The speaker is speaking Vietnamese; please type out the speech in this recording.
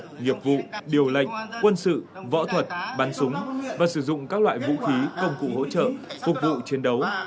các nghiệp vụ điều lệnh quân sự võ thuật bắn súng và sử dụng các loại vũ khí công cụ hỗ trợ phục vụ chiến đấu